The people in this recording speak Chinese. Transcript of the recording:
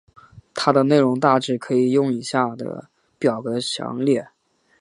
它的内容大致可以用以下的表格详列。